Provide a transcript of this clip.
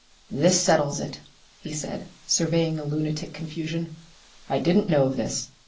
"This settles it," he said, surveying the lunatic confusion. "I didn't know of this.